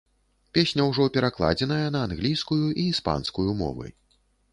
Песня ўжо перакладзеная на англійскую і іспанскую мовы.